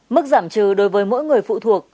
mức giảm trừ đối với mỗi người phụ thuộc